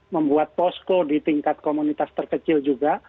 membuat posko di tingkat komunitas terkecil juga